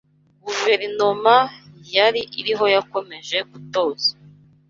guverinoma yari iriho yakomeje gutoza